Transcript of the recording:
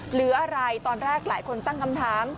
หรืออะไรตอนแรกหลายคนตั้งคำถาม